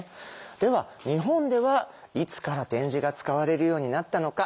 では日本ではいつから点字が使われるようになったのか。